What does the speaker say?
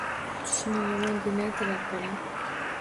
Tushni yomon demaydilar bolam